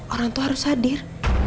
orang tua harus hadir